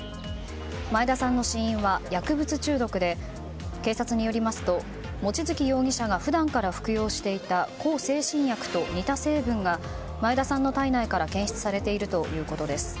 前田さんの死因は薬物中毒で警察によりますと望月容疑者が普段から服用していた向精神薬と似た成分が前田さんの体内から検出されているということです。